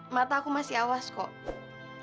mata aku masih awas kok